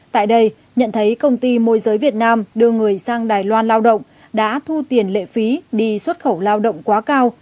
tại đây nhận thấy công ty môi giới việt nam đưa người sang đài loan lao động đã thu tiền lệ phí đi xuất khẩu lao động quá cao